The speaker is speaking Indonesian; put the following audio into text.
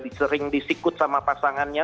disering disikut sama pasangannya